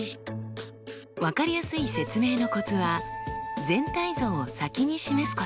分かりやすい説明のコツは全体像を先に示すこと。